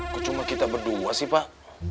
kok cuma kita berdua sih pak